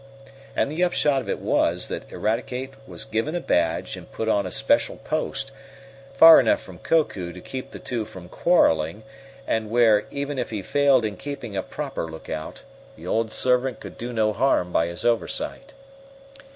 And the upshot of it was that Eradicate was given a badge, and put on a special post, far enough from Koku to keep the two from quarreling, and where, even if he failed in keeping a proper lookout, the old servant could do no harm by his oversight.